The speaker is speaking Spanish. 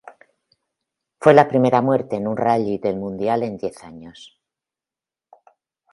Fue la primera muerte en un rally del mundial en diez años.